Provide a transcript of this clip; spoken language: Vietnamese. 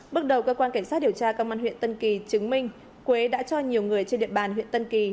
bước đầu cơ quan cảnh sát điều tra công an huyện tân kỳ chứng minh quế đã cho nhiều người trên địa bàn huyện tân kỳ